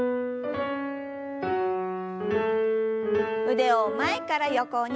腕を前から横に。